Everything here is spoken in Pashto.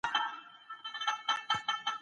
وي موږ باید